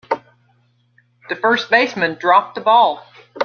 The first baseman dropped the ball.